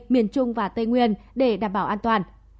miền trung và tây nguyên để đảm bảo an toàn